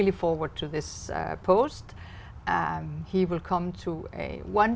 một kết hợp rõ ràng